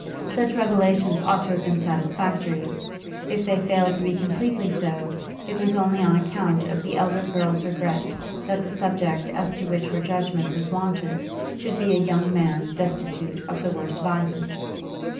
Such revelations ought to have been satisfactory; if they failed to be completely so, it was only on account of the elder girl's regret that the subject as to which her judgement was wanted should be a young man destitute of the worst vices.